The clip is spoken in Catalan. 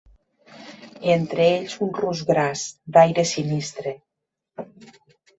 Entre ells un rus gras, d'aire sinistre